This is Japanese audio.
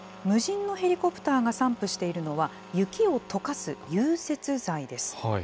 無人のヘリコプターが散布しているのは、雪をとかす融雪剤です。